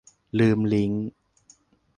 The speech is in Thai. ลืมลิงก์